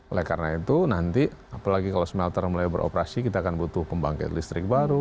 oleh karena itu nanti apalagi kalau smelter mulai beroperasi kita akan butuh pembangkit listrik baru